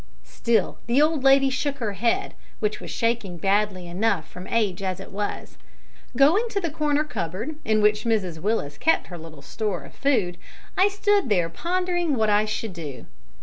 Still the old lady shook her head, which was shaking badly enough from age as it was. Going to the corner cupboard, in which Mrs Willis kept her little store of food and physic, I stood there pondering what I should do.